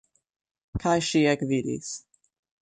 Kaj ŝi ekvidis.